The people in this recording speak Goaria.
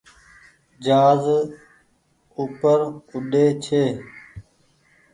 جهآز اوپر اوڏي ڇي۔